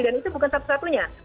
itu bukan satu satunya